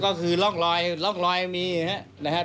ก็คือร่องรอยร่องรอยมีนะครับ